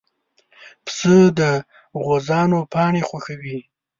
پسه د غوزانو پاڼې خوښوي.